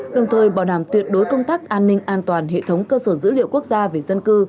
đồng thời bảo đảm tuyệt đối công tác an ninh an toàn hệ thống cơ sở dữ liệu quốc gia về dân cư